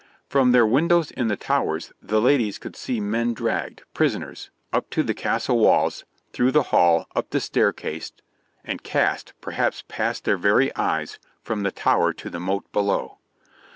From their windows in the towers the ladies could see men dragged, prisoners, up to the castle walls, through the hall, up the staircase, and cast, perhaps past their very eyes, from the tower to the moat below.